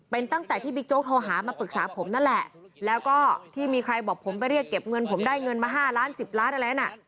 เป็นตั้งแต่ที่บิ๊กโจ๊กโทรหามาปรึกษาผมนั่นแหละแล้วก็ที่มีใครบอกผมไปเรียกเก็บเงินผมได้เงินมา๕ล้าน๑๐ล้านอะไรน่ะ